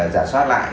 giả soát lại